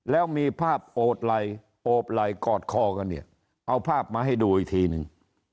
แล้วมีภาพโอดไหล่โอบไหล่กอดคอกันเนี่ยเอาภาพมาให้ดูอีกทีนึง